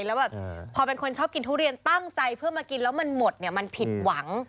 แล้วแบบพอเป็นคนชอบกินทุเรียนตั้งใจเพื่อมากินแล้วมันหมดเนี่ยมันผิดหวัง